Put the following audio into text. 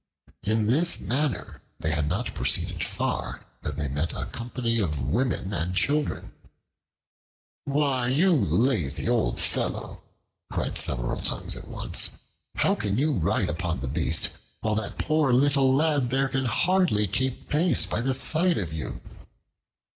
In this manner they had not proceeded far when they met a company of women and children: "Why, you lazy old fellow," cried several tongues at once, "how can you ride upon the beast, while that poor little lad there can hardly keep pace by the side of you?"